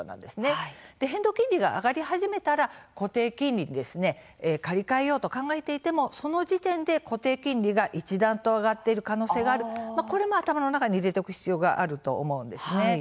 変動金利が上がり始めたら固定金利に変えようと考えてもその時点で固定金利が一段と上がっている可能性があることも頭の中にいれておく必要があります。